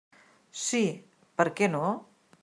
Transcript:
Sí, per què no?